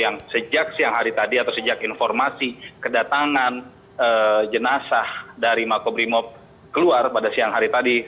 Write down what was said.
yang sejak siang hari tadi atau sejak informasi kedatangan jenazah dari makobrimob keluar pada siang hari tadi